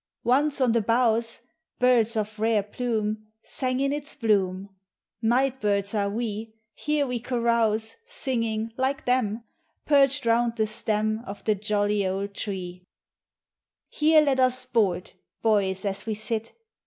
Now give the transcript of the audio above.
Once on the boughs Birds of rare plume Sang, in its bloom; Night birds are we; Here we carouse. Singing, like them, POEMS OF FRIENDSHIP. Perched round the stem Of the jolly old tree. Here let us sport, Boys, as we sit.